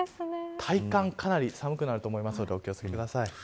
体感かなり寒くなると思いますのでお気を付けください。